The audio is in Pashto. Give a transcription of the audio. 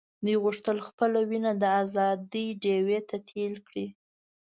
دوی غوښتل خپله وینه د آزادۍ ډیوې ته تېل کړي.